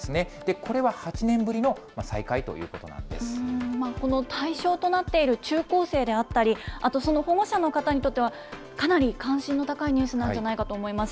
これは８年ぶりの再開ということこの対象となっている中高生であったり、あとその保護者の方にとっては、かなり関心の高いニュースなんじゃないかと思います。